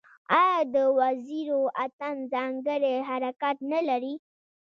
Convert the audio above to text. آیا د وزیرو اتن ځانګړی حرکت نلري؟